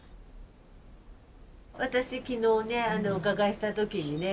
私昨日ねお伺いした時にね。